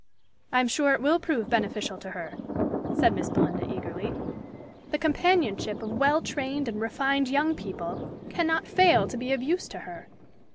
"I am sure it will prove beneficial to her," said Miss Belinda eagerly. "The companionship of well trained and refined young people cannot fail to be of use to her.